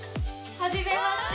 初めまして。